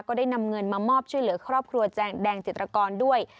ได้นำเงินมามอบช่วยเหลือครอบครัวแดงจิตรกรด้วย